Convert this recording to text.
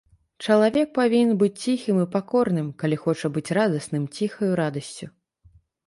Чалавек павінен быць ціхім і пакорным, калі хоча быць радасным ціхаю радасцю.